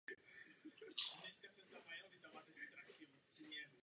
Na břehu jezera je hotel.